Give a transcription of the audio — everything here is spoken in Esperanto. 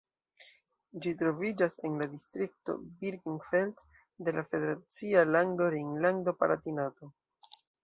Ĝi troviĝas en la distrikto Birkenfeld de la federacia lando Rejnlando-Palatinato.